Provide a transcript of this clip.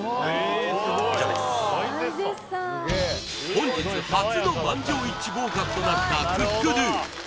本日初の満場一致合格となったクックドゥ